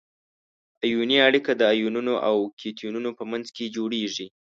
ایوني اړیکه د انیونونو او کتیونونو په منځ کې جوړیږي.